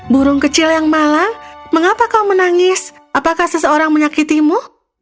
burung kecil yang malang mengapa kau menangis apakah seseorang menyakitimu